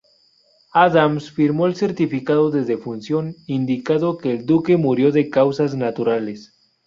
Adams firmó el certificado de defunción indicando que el duque murió de causas naturales.